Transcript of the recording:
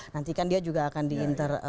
nantikan dia juga akan diinter